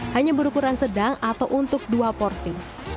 hanya berukuran sedang atau untuk dua porsi